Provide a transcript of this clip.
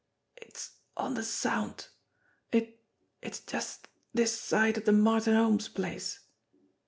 "It's on the Sound. It it's just this side of the Martin Holmes place."